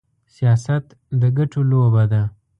سياست د ګټو لوبه ده.